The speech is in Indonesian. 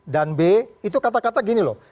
dan b itu kata kata gini loh